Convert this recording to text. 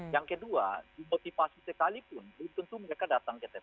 yang kedua dimotivasi sekalipun belum tentu mereka datang ke tps